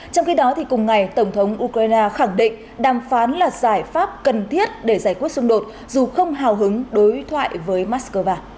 trong khi đó cùng ngày tổng thống ukraine khẳng định đàm phán là giải pháp cần thiết để giải quyết xung đột dù không hào hứng đối thoại với moscow